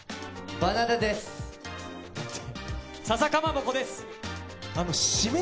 バナナです。